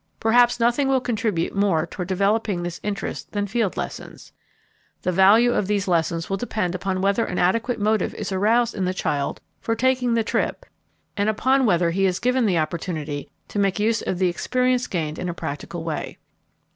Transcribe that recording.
Perhaps nothing will contribute more toward developing this interest than field lessons. The value of these lessons will depend upon whether an adequate motive is aroused in the child for taking the trip and upon whether he is given the opportunity to make use of the experience gained in a practical way.